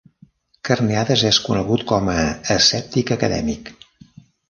Carneades és conegut com a escèptic acadèmic.